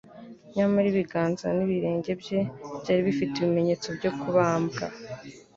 nyamara ibiganza n'ibirenge bye byari bifite ibimenyetso byo kubambwa;